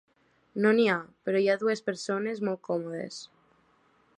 No n'hi ha, però hi ha dues persones molt còmodes.